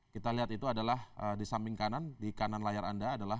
kita lihat itu adalah di samping kanan di kanan layar anda adalah